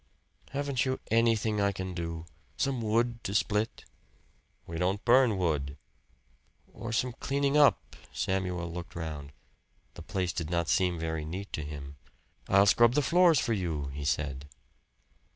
"Haven't you anything I can do? Some wood to split?" "We don't burn wood." "Or some cleaning up?" Samuel looked round. The place did not seem very neat to him. "I'll scrub the floors for you," he said.